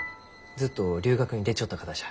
ずっと留学に出ちょった方じゃ。